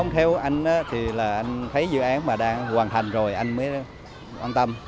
theo anh thì anh thấy dự án đang hoàn thành rồi anh mới quan tâm